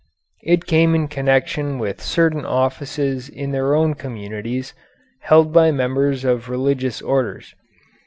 It came in connection with certain offices in their own communities, held by members of religious orders.